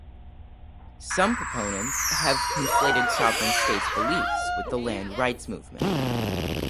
Some proponents have conflated sovereign state beliefs with the land rights movement.